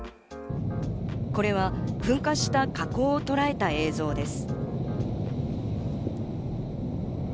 これは噴火した火口をとらえた映像です。